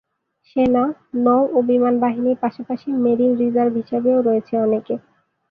সেনা, নৌ ও বিমান বাহিনীর পাশাপাশি মেরিন রিজার্ভ হিসেবেও রয়েছে অনেকে।